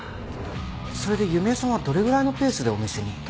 それで弓江さんはどれぐらいのペースでお店に？